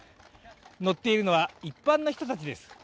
乗っているのは一般の人たちです。